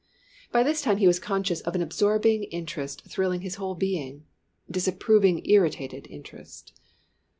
By this time he was conscious of an absorbing interest thrilling his whole being disapproving irritated interest.